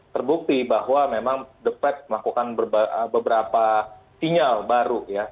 terbukti bahwa memang the fed melakukan beberapa sinyal baru ya